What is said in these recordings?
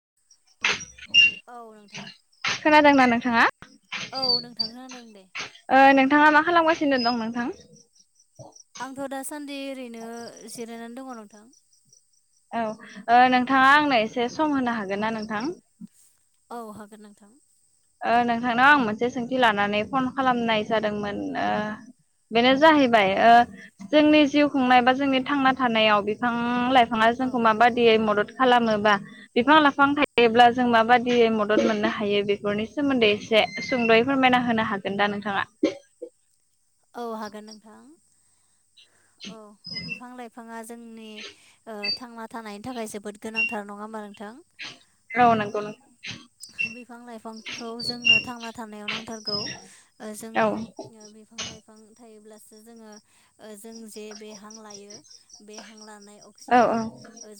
[inaudible] औ नोंथां खोनादोंना नोंथाङा औ नोंथां खोनादों नोय ओ नोंथाङा मा खालामगासिनो दं नोंथां आंथ' दासान्दि ओरैनो जिरायनानै दङ नोंथां औ ओ नोंथाङा आंनो एसे सम होनो हागोन ना नोंथां औ हागोन नोंथां ओ नोंथांनाव आं मोनसे सोंथि लानानै फन खालामनाय जादोंमोन ओ बेनो जाहैबाय ओ जोंनि जिउ खुंनाय बा जोंनि थांना थानायाव बिफां लाइफां थाङा औ जोंखौ माबायदियै मदद खालामोबा बिफां लाइफां थायोब्ला जों माबायदि मदद मोननो हायो बे बेफोरनि सोमोन्दै एसे सुंद'यै फोरमायना होनो हागोन दा नोंथाङा औ हागोन नोंथां औ बिफां लाइफाङा जोंनि ओ थांना थानायनि थाखाय जोबोद गोनांथार नङा होमबा नोंथां औ नोंगौ नो बिफां लाइफांखौ जोंनो थांना थानायाव नांथारगौ औ जोङो बिफां लाइफां थायोब्लासो जोङो जों जे बे हां लायो बे हां लानाय औ औ अक्सिजेन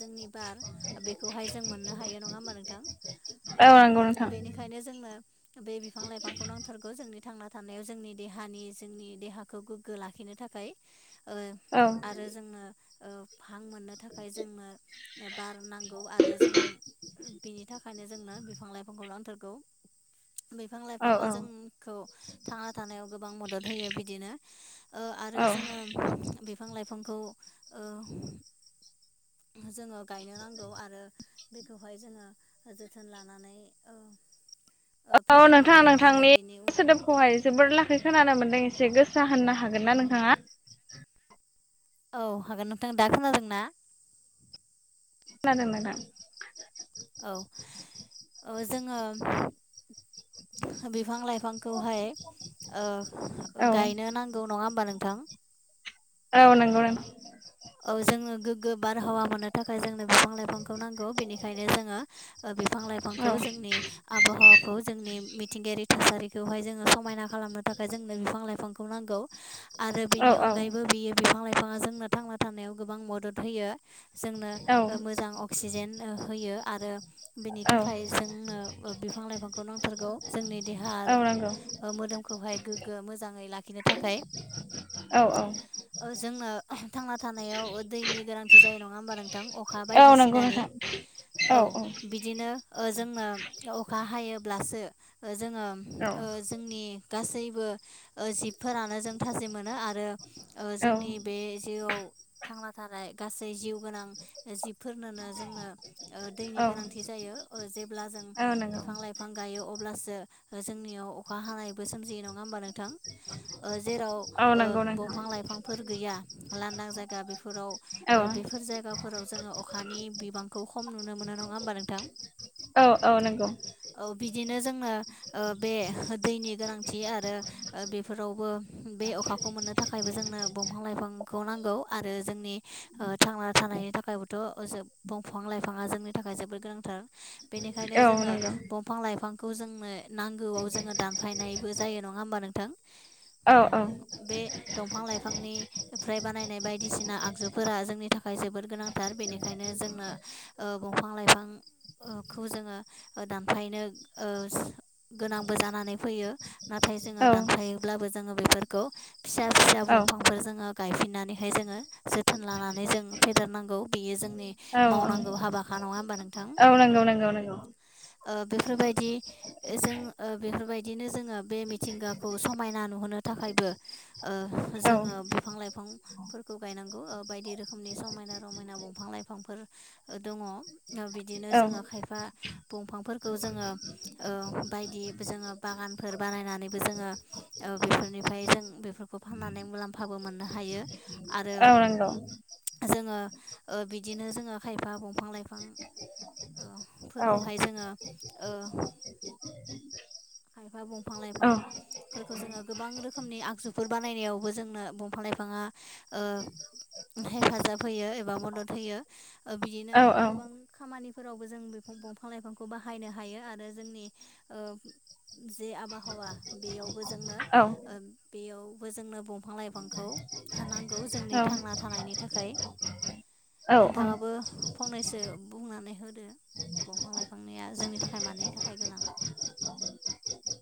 जोंनि बार बेखौहाय जों मोननो हायो थायो नङा होमबा नोंथां औ ओ नंगौ नोंथां बेनिखायनो जोंनो बे बिफां लाइफांखौ नांथारगौ जोंनि थांना थानायाव जोंनि देहानि जोंनि देहाखौ गोग्गो लाखिनो थाखाय ओ औ आरो जोंनो ओ हां मोननो थाखाय जोंनो बार नांगौ आरो जों बिनि थाखायनो जोंनो बिफां लाइफांखौ नांथारगौ बिफां औ लाइफाङा औ जोंखौ थांना थानायाव गोबां मदद होयो बिदिनो ओ आरो औ जोङो बिफां लाइफांखौ ओ [inaudible] जोङो गायनो नांगौ आरो बेखौहाय जोङो जोथोन लानानै ओ औ नोंथाङा फेदेरनांगोन आरो नोंथांनि बेनि उन सोदोबखौहाय जोबोर लाखै खोनानो मोन्दों एसे गोसा होननो हागोन ना नोंथाङा औ हागोन नोंथां दा खोनादोंना खोनदों नोंथां औ औ जोङो बिफां लाइफां बिफांखौहाय ओ औ गायनो नांगौ नङा होमबा नोंथां औ नंगौ औ जोङो गोगो बारहावा मोनो थाखाय जोंनो बिफां लाइफांखौ नांगौ बिनिखायनो जोङो बिफां औ लाइफांखौ जोंनि आबहावा खौ जोंनि मिथिंगायारि थासारि। बेखौहाय जोंङो समायना खालामनो थाखाय जोंनो बिफां लाइफांखौ नांगौ। आरो औ बिनि अनगायैबो बियो बिफां लाइफांङा जोंनो थांना थानायाव गोबां मदद होयो। औ जोंनो मोजां अक्सिजेन होयो आरो बेनि औ थाखाय जोंनो। बिफां लाइफांखौ नांथारगौ जोंनि देहा औ नंगौ मोदोमखौहाय गोग्गो मोजांङै लाखि थाखाय औ औ [unintelligible] जोंनों। थांना थानायाव दैनि गोनांथि जायो नंङा होमब नों अखा औ नंगौ बायदिसिनानि नोंथां औ औ औबिदिनो जों अखा हायोब्लासो जोंङो औ जोंनि। गासैबो जिबफोरानो जों थाजि मोनो आरो औ जोंनि बे जिउआव। थांना थानाय गासै जिउ गोनां जिबफोरनोनो जोंनो दैनि औ गोनांथि जायो जेब्ला जों औ नंगौ बिफां लाइफां गायो अ अब्लासो जोंनियाव अखा हानायबो सोमजियो नंङा होमबा नोंथां। जेराव औ नंगौ नोंथां दंफां लाइफांफोर गैया लांदां जायगा बेफोराव औ। फोराव जोंङो अखानि बिबांखौ खम नुनो मोनो नंङा होमबा नोंथां? औ औ नंगौ। औ बिदिनो जोनो बे दैनि गोनांथि आरो बेफोरावबो बे अखा माखौ मोननो थाखायबो जोंनो दंफां लाइफांखौ नांगौ। आरो जोंनि थांना थानायनि थाखायबोथ दंफां लाइफाङा जोंनि थाखाय जोबोद गोनांथार। [inaudible] बेनिखायनो औ जोंङो नंगौ दंफां लाइफां खौ जोंनो नांगौआव जोंङो दानफायनायबो जायो नङा होमबा नोंथां। औ औ [inaudible] बे दंफां लाइफांनिफ्राय बानायनाय बाय बायदिसिना आगजुफोरा जोंनि थाखाय जोबोद गोनांथार बेनिखायनो जोंनो दंफां लाइफां। खौ जोंङो दानफायनो गोनांबो जानानै फैयो नाथाय। ना जोंङो औ दानफायोब्लाबो जोंङो बेफोरखौ फिसा फिसा औ दंफांफोर जोङो गायफिननानै। बेहाय जोंङो जोथोन लानानै जों फेदेरनांगौ बेयो जोंनि औ मावनांगौ हाबाख नङा होनबानो औ नंगौ नंगौ। बेफोरबायदि जों बेफोरबायदिनो जोंङो बे मिथिंगाखौ समायना नुहोनो थाखायबो औ जोंङो बिफां लाइफां। फोरखौ गायनांगौ बायदि रोखोमनि समायना रमायना दंफां लाइफांफोर दंङ। बिदिनो जोंङो औ खायफा दंफांफोरखौ जोंङो बायदि जोंङो बागानफोर बानायनानैबो जोंङो। बेफोरनिफ्राय जों बेफोरखौ फाननानै मुलाम्फाबो मोननो हायो। औ नंगौ। जोंङो बिदिनो जोंङो खायफा दंफां लाइफां [inaudible] औ फोरखौहाय जोंङो। खायफ बफांलायफां। फोरखौ जोंङो गोबां रोखोमनि आगजुफोर बानायनायावबो जोंनो दंफां लाइफाङा। हेफाजाब होयो एबा मदद होयो बिदिनो औ औ गोबां खामानिफोरावबो जों बे दंफां लाइफांखौ बाहायनो हायो आरो जोंनि जे आबहावा बेयावबो जोंनो औ बेयावबो जोंनो दंफां लाइफांखौ। नांगौ जोंनि औ थांना थानायनि थाखाय औ औ नोंथाङाबो। फंनैसो बुंनानै होदो। दंफां लाइफांनि जोंनि थाखाय मानैनि थाखाय गोनां।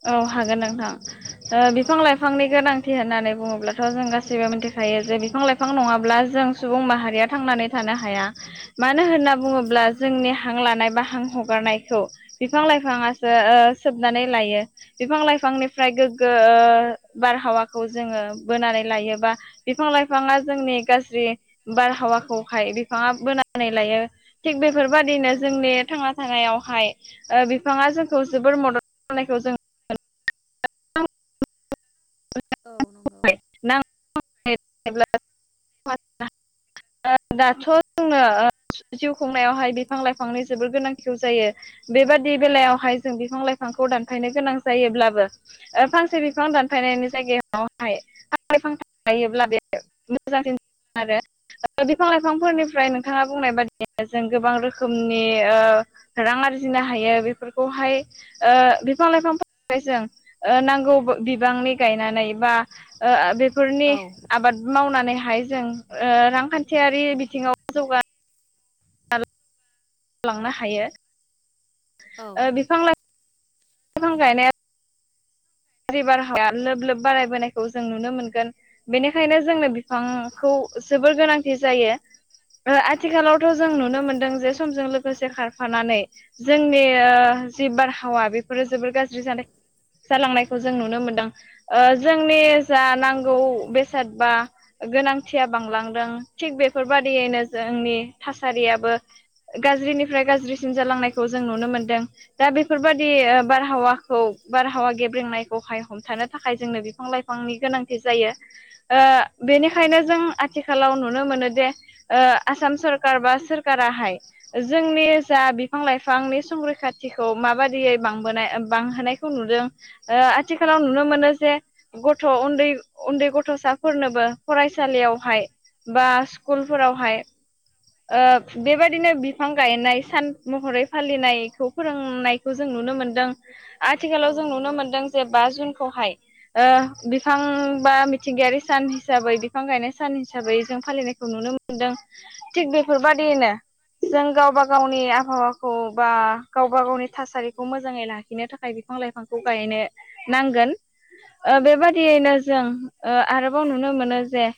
औ हागोन नोंथां औ बिफां लाइफांनि गोनांथि होननानै। बुङोब्लाथ जों गासैबो मिथिखायो जे बिफां लाइफां नङाब्ला जों सुबुं माहारिया थांनानै थानो हाया मानो होनना औ बुंङोब्ला जोंनि हां लानाय बा हां हगारनायखौ बिफां लाइफांङासो ओ‌ ओ सोबनानै लायो। बिफां लाइफांनिफ्राय गोग्गो ओ बारहावाखौ जोङो बोनानै लायोबा बिफां लाइफाङा जोंनि गाज्रि बारहावाखौहाय बिफाङा बोनानै लायो थिग बे औ फोरबायदिनो जोंनि नंगौ थांना थानायावहाय ओ बिफाङा जोंखौ जोबोर मदद खालामनायखौ जों औ नंगौ। [unintelligible] दाथ' जोंनो ओ जिउ खुंनायावहाय बिफां लाइफांनि जोबोर गोनांथि जायो बेबादि बेलायावहाय जों बिफां लाइफां खौ दानफायनो गोनां जायोब्लाबो फांसे बिफां दान फायनायनि जायगायावहाय फांनै फांथाम गायोब्ला बे मोजांसिन जायो आरो बिफां लाइफांफोरनिफ्राय नोंथाङा बुंनाय बादिनो जों गोबां रोखोमनि ओ रां आरजि नो हायो बेफोरखौहाय ओ बिफां लाइफांहााय जों ओ नांगौ बि बिबांनि गायनानै बा ओ बेफोरनि औ आबाद मावनानैहाय जों ओ रांखान्थियारि बिथिङाव जौगा लांनो हायो औ ओ बिफां लाइ फां गायनाया बारहाया लोब लोब बारायबोनायखौ जों नुनो मोनगोन बेनिखायनो जोंनो बिफांखौ जोबोर गोनांथि जायो आथिखालावथ' औ जों नंगौ नुनो मोनदों जे समजों लो गोसे खारफानानै जोंनि ओ जि बारहावा बेफोरो जोबोर गाज्रि जानाय जालांनायखौ जों नुनो मोनदों ओ जोंनि जा औ नांगौ नंगौ बेसाद बा गोनांथिया बांलांदों थिग बेफोरबादियैनो जोंनि थासारियाबो गाज्रिनिफ्राय गाज्रिसिन जालांनायखौ जों नुनो मोनदों दा बेफोरबायदि ओ बारहावा खौ बारहावा गेब्रेंनायखौहाय हमथानो थाखाय जोंनो बिफां लाइफांनि गोनांथि जायो। ओ औ बेनिखायनो नंगौ जों आथि खालाव नुनो मोनोजे ओ आसाम सरखार बा सोरखाराहाय जोंनि जा बिफां लाइफांनि संरैखाथिखौ माबायदियै बांबोनाय बांहोनायखौ नुदों ओ आथिखालाव नुनो मोनो जे गथ' उन्दै उन्दै गथ'साफोरनोबो फरायसालियावहाय बा स्कुलफोरावहाय ओ बेबायदिनो बिफां गायनाय सान महरै फालिनायखौ फोरोंनायखौ जों नुनो मोनदों औ आथिखालाव जों नंगौ नुनो मोनदों। जे बा जुनखौहाय ओ बिफां बा मिथिंगायारि सान हिसाबै बिफां गायनाय सान हिसा बै जों फालिनायखौ नुनो मोनदों थिग बेफोरबायदिनो जों गावबा गावनि आबहावाखौ बा गावबा गावनि थासारिखौ मोजाङै लाखिनो थाखाय बिफां लाइफांखौ गायनो नांगोन ओ बेबादियैनो जों ओ आरोबाव नुनो मोनो जे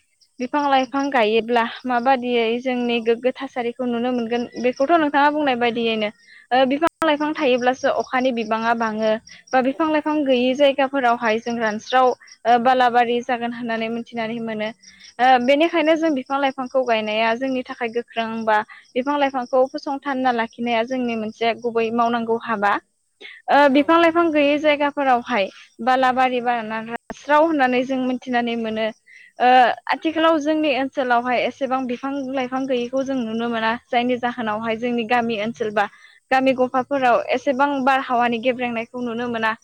बिफां लाइफां गायोब्ला माबादियै जोंनि औ गोग्गो थासारि खौ नुनो मोनगोन बेखौथ' नोंथाङा बुंनाय बायदियैनो ओ बिफां लाइफां थायोब्लासो अखानि बिबाङा बाङो बा बिफां लाइ फां गैयि जायगाफोरावहाय जों रानस्राव ओ बालाबारि जागोन होननानै मिथिनानै मोनो। ओ बेनिखायनो जों औ बिफां लाइफां खौ गायनाया जोंनि थाखाय गोख्रों बा बिफां लाइफांखौ फसंथानना लाखिनाया जोंनि मोनसे गुबै मावनांगौ हाबा ओ बिफां लाइफां गैयै जायगा फोरावहाय बालाबारि बानागास्राव होननानै जों मिथिनानै मोनो ओ आथिखालाव जोंनि ओनसोलावहाय एसेबां बिफां लाइफां गैयैखौ जों नुनो मोना जायनि जाहोनावहाय जों नि गामि ओनसोल बा गामि गफाफोराव एसेबां बारहावानि गेब्रेंनायखौ नुनो मोना।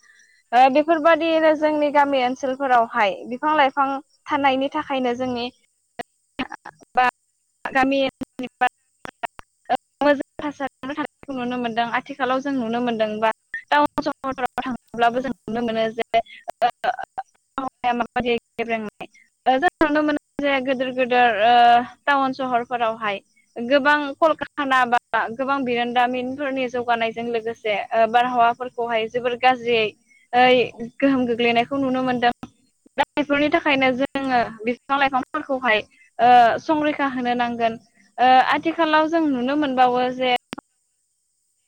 ओ बेफोरबायदिनो औ जोंनि नंगौ गामि ओनसोलफोरावहाय बिफां लाइफां थानायनि थाखायनो जोंनि [unintelligible] बा गामि [unintelligible] ओ मोजां थासारिखौ नुनो मोनदों आथिखालाव जों नुनो मोनदों बा टाउन सहराव औ थाङोब्लाबो जों नुनो मोनो जे [unintelligible] जों नुनो मोनो जे गिदिर गिदिर ओ टाउन सहरफोरावहाय गोबां कलखाना बा गोबां बिरोनदामिनफोरनि जौगानायजों लोगोसे बारहावाफोरखौहाय जोबोर गाज्रियै गोहोम गोग्लैनायखौ नुनो मोनदों। दा बेफोरनि थाखायनो जोङो बिफां लाइफांफोरखौहाय संरैखा होनो नांगोन। ओ आथिखालाव जों नुनो मोनबावो जे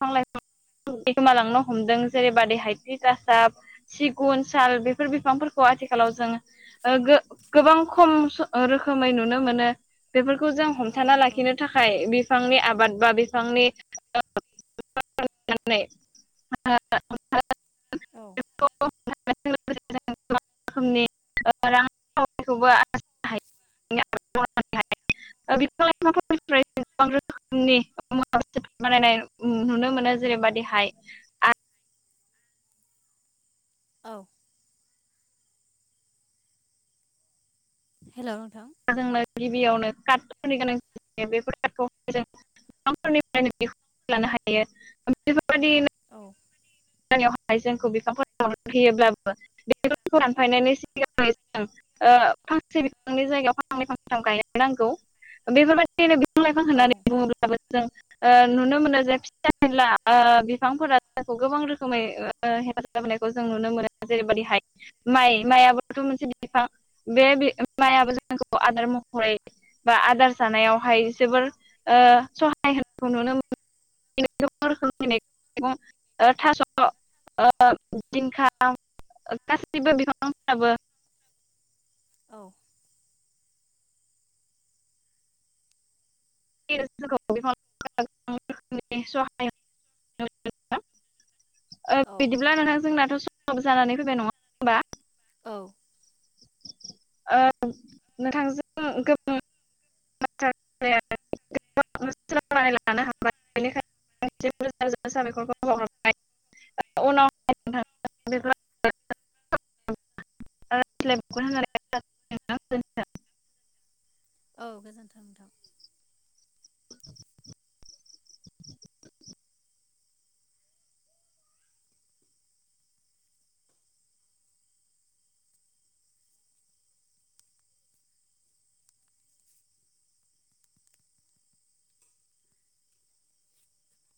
बिफां लाइफां गोमालांनो हमदों जेरैबाादि हायथि गासाब सिगुन साल बेफोर बिफांफोरखौहाय आथिखालाव जों गोबां खम रोखोमै नुनो मोनो बेफोर खौ जों औ हमथाना नंगौ लाखिनो थाखाय बिफांनि आबाद बा बिफांनि [unintelligible] [unintelligible] [unintelligible] [unintelligible] [unintelligible] औ [unintelligible] रोखोमनि रांखावरिखौबो आरजिनो हायो [unintelligible] बिफां लाइफांफोरफ्राय गोबां रोखोमनिु [unintelligible] बानायनाय नुनो मोनो जेरैबाददिहाय आ। औ हेल' नोंथां जोंनो गिबियावनो कार्टनि गोनांथि जायो बेफोर कार्ट जों न'फोरनिफ्रायनो दिहुना लानो हायो बेफोरबायदिनो औ [unintelligible] जोंखौ बिफांफोरखौ होयोब्लाबो बेफांखौ दानफायनायनि सिगां सिगां [unintelligible] ओ फांसे बिफांनि जायगायाव फांनै फांथाम गायनो नांगौ बेफोरबायदिनो बिफां लाइफां औ होननानै बुङोब्लाबो। जों नुनो मोनो जे फिसा फनला बिफांफोरा जायखौ गोबां रोखोमै हेफाजाब होनायखौ जों नुनो मोनो जेरैबायदिहाय माइ माइाबोथ' मोनसे बिफां बे बिफां माइ [unintelligible] [unintelligible] आदार महरै बा आदार जानायावहाय जोबोर ओ सहाय होनायखौ नुनो [unintelligible] [unintelligible] थास' [unintelligible] दिंखा गाससिबो बिफांफ्राबो औ [unintelligible] [unintelligible] बिदिब्ला नोंथां जोंनाथ' सब जानानै फैबाय नङा होनबा? औ ओ नोंथांजों गोबां [unintelligible] [unintelligible] हाबाय बेनिखायनो रोजा रोजा साबायखरखौ बावरबाय उनाव [unintelligible] [unintelligible] औ गोजोन्थों।